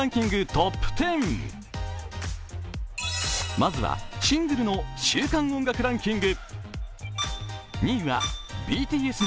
まずはシングルの週間音楽ランキング。